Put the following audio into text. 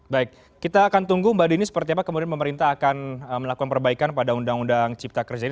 baik kita akan tunggu mbak dini seperti apa kemudian pemerintah akan melakukan perbaikan pada undang undang cipta kerja ini